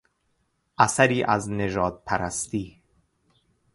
اثری از نژادپرستی